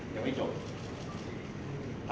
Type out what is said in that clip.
จะไม่จบ